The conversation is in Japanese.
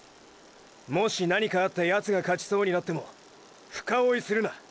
もし何かあってヤツが勝ちそうになっても深追いするな。